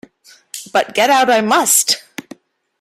But get out I must.